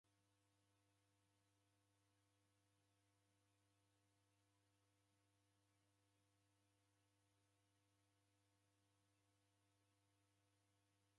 Kuweseria niko kukurie.